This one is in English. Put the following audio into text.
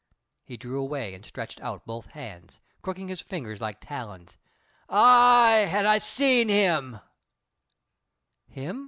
He drew away and stretched out both hands, crooking his fingers like talons. "Ay, an' I seen him!" "Him?"